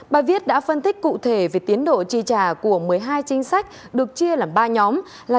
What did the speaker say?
bài viết đã phân tích cụ thể về tiến độ tri trả của một mươi hai chính sách được chia làm ba nhóm là